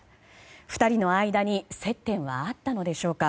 ２人の間に接点はあったのでしょうか。